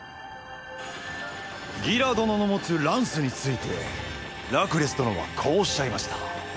ギラ殿の持つランスについてラクレス殿はこうおっしゃいました。